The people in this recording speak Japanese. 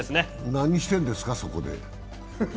何してるんですか、そこで？